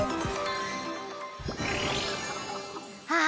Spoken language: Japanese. あ！